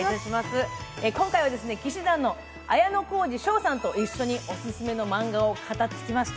今回は氣志團の綾小路翔さんと一緒にオススメのマンガを語ってきました。